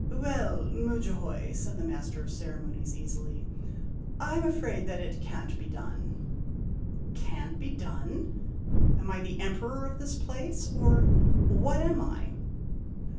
"Well, Mudjahoy," said the Master of Ceremonies, easily, " I 'm afraid that it can't be done !' "Can't be done? Am I the Emperor of this place, or what am I?"